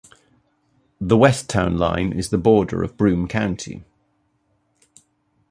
The west town line is the border of Broome County.